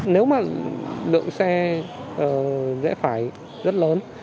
nếu mà lượng xe dẹp phải rất lớn